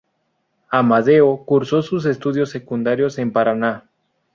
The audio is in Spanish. Amadeo cursó sus estudios secundarios en Paraná.